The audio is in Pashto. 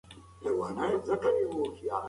هغه نجلۍ چې مخامخ ناسته ده، هېڅ اندېښنه نهلري.